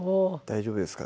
大丈夫です